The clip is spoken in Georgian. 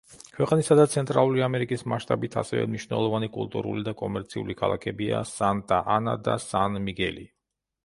ქვეყნისა და ცენტრალური ამერიკის მასშტაბით ასევე მნიშვნელოვანი კულტურული და კომერციული ქალაქებია სანტა-ანა და სან-მიგელი.